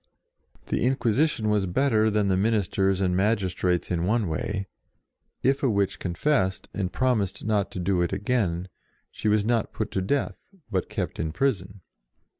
The In quisition was better than the ministers and magistrates in one way: if a witch con fessed, and promised not to do it again, she was not put to death, but kept in prison.